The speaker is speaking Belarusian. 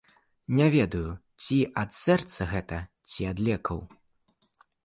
Не ведаю, ці ад сэрца гэта, ці ад лекаў.